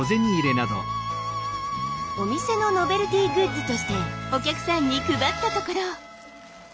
お店のノベルティーグッズとしてお客さんに配ったところ。